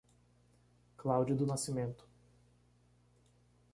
Claude do Nascimento